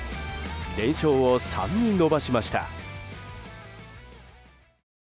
連勝を３に伸ばしました。